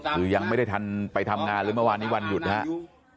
คือยังไม่ได้ทันไปทำงานเลยเมื่อวานนี้วันหยุดนะครับ